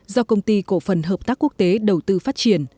do công ty cổ phần hợp tác quốc tế đầu tư phát triển